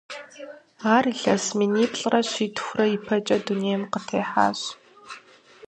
Ар илъэс миниплӏрэ щитхурэ ипэкӀэ дунейм къытехьащ.